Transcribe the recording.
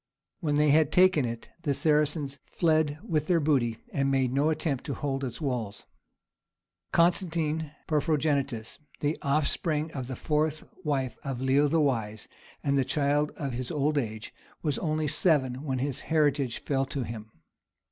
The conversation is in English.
When they had taken it the Saracens fled with their booty, and made no attempt to hold its walls. Constantine Porphyrogenitus, the offspring of the fourth wife of Leo the Wise, and the child of his old age, was only seven when his heritage fell to him.